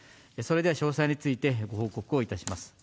それでは詳細について、ご報告をいたします。